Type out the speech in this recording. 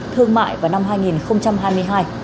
thương mại vào năm hai nghìn hai mươi hai